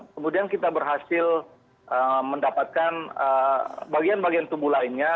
kemudian kita berhasil mendapatkan bagian bagian tubuh lainnya